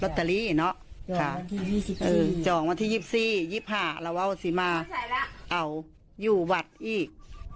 รถตะลีเนอะจองวันที่๒๔รถ๒๕เราเอาสิมาอยู่วัดอีก